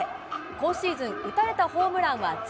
今シーズン、打たれたホームランは０。